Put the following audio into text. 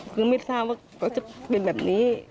คือไม่ทราบว่าเขาจะเป็นแบบนี้